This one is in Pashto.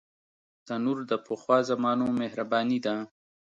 تنور د پخوا زمانو مهرباني ده